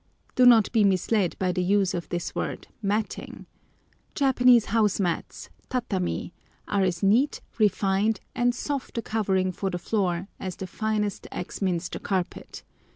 Do not be misled by the use of this word matting. Japanese house mats, tatami, are as neat, refined, and soft a covering for the floor as the finest Axminster carpet.